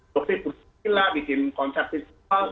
bisa bikin musik lah bikin konser visual